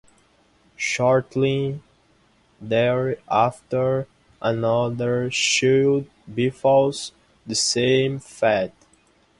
Shortly thereafter, another child befalls the same fate.